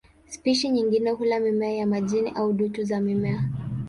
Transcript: Spishi nyingine hula mimea ya majini au dutu za mimea.